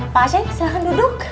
pak aceh silahkan duduk